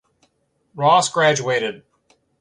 Ross graduated.